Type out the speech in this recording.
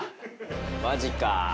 マジか。